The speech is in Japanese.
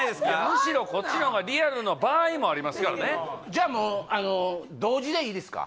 むしろこっちのほうがリアルの場合もありますからねじゃあもうあの同時でいいですか？